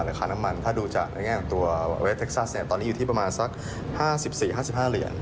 ราคาน้ำมันถ้าดูจากในแง่ของตัวเวทเท็กซัสตอนนี้อยู่ที่ประมาณสัก๕๔๕๕เหรียญ